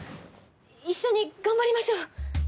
一緒に頑張りましょう！